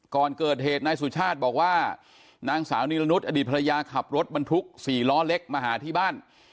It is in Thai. ก่อนเกิดเหตุนายสุชาติบอกว่านางสาวนิรนุษย์อดีตภรรยาขับรถบรรทุก๔ล้อเล็กมาหาที่บ้าน